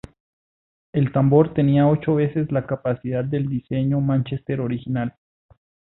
El tambor tenía ocho veces la capacidad del diseño Manchester original.